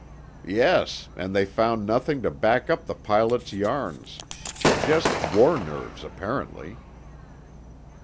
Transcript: "Yes, and they found nothing to back up the pilots' yarns. just war nerves, apparently."